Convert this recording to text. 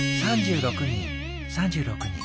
３６人３６人。